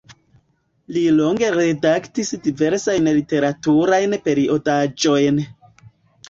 Li longe redaktis diversajn literaturajn periodaĵojn.